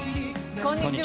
こんにちは。